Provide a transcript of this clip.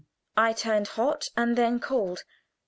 I turned hot and then cold.